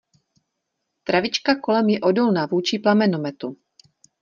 Travička kolem je odolná vůči plamenometu...